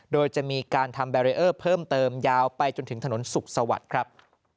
โดยจะมีการทำแบรีเออร์เพิ่มเติมยาวไปจนถึงถนนสุขสวัสดิ์ครับ